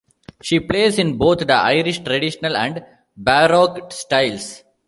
She plays in both the Irish Traditional and Baroque styles.